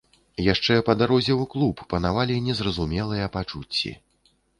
Яшчэ па дарозе ў клуб панавалі незразумелыя пачуцці.